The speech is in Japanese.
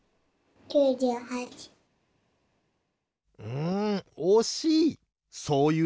うんおしい！